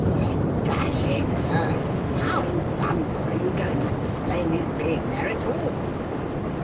"Then, dash it, sir, how in thunder are you going to explain his being there at all?"